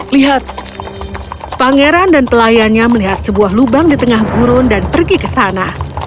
lihat pangeran dan pelayannya melihat sebuah lubang di tengah gurun dan pergi ke sana